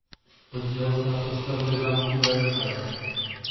Podílel se na přestavbě zámku Versailles.